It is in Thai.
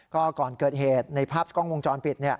ก็ก่อนเกิดเหตุในภาพกล้องวงจรปิด